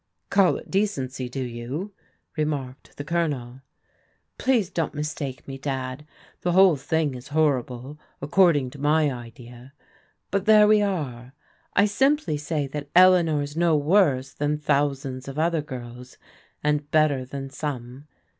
Call it decency, do you? " remarked the Colonel. Please don't mistake me. Dad. The whole thing is horrible according to my idea, but there we are. I sim ply say that Eleanor's no worse than thousands of other girls, and better than some.